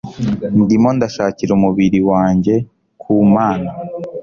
ndimo ndashakisha umubiri wanjyeku mana